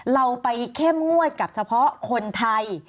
เราไปเข้มงวดกับเฉพาะคนไทย